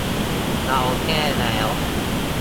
เราแก้แล้ว